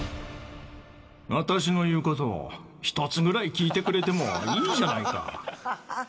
「私の言う事を一つぐらい聞いてくれてもいいじゃないか」。